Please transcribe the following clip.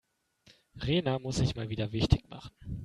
Rena muss sich mal wieder wichtig machen.